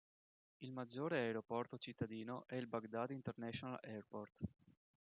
Il maggiore aeroporto cittadino è il Baghdad International Airport.